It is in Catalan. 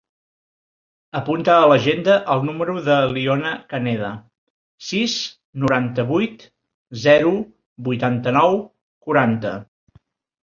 Apunta a l'agenda el número de l'Iona Caneda: sis, noranta-vuit, zero, vuitanta-nou, quaranta.